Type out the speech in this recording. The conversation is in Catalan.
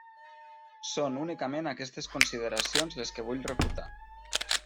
Són únicament aquestes consideracions les que vull refutar.